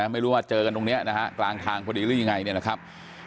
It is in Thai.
ไม่รู้ว่าเจอกันตรงนี้นะฮะกลางทางพอดีหรือยังไงเนี่ยนะครับ